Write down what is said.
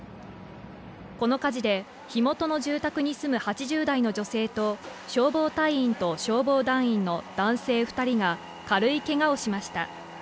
この火事で火元の住宅に住む８０代の女性と消防隊員と消防団員の男性２人が軽いけがをしました。